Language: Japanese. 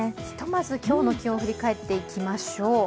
ひとまず、今日の気温、振り返っていきましょう。